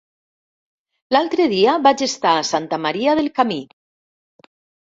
L'altre dia vaig estar a Santa Maria del Camí.